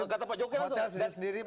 hotel sendiri makan sendiri